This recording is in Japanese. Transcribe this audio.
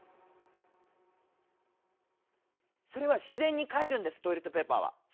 それは自然にかえるんですトイレットペーパーは。